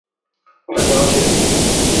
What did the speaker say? Glass না ভাঙলেই হয়!